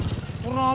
gak ada sih